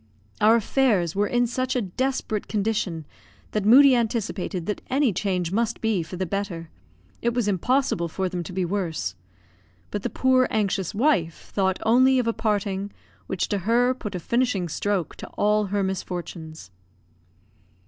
Our affairs were in such a desperate condition that Moodie anticipated that any change must be for the better; it was impossible for them to be worse. But the poor, anxious wife thought only of a parting which to her put a finishing stroke to all her misfortunes.